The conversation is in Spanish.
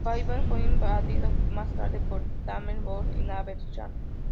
Panyab fue invadido más tarde por Tamerlán, Babur y Nader Shah.